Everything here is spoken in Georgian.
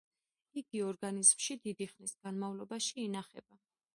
იგი ორგანიზმში დიდი ხნის განმავლობაში ინახება.